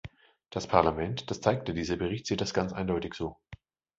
Das Parlament das zeigt ja dieser Bericht sieht das ganz eindeutig so.